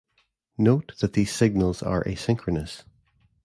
Note that these signals are asynchronous.